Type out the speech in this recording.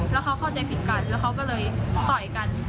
แล้วเขาเข้าใจผิดกันแล้วเขาก็เลยต่อยกัน